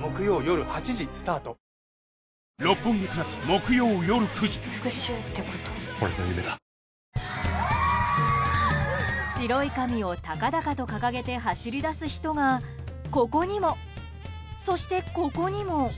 お申し込みは白い紙を高々と掲げて走り出す人がここにも、そしてここにも。